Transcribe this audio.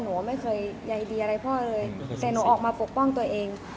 หนูไม่เคยใยดีอะไรพ่อเลยแต่หนูออกมาปกป้องตัวเอง